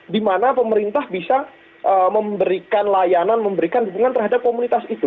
di mana pemerintah bisa memberikan layanan memberikan dukungan terhadap komunitas itu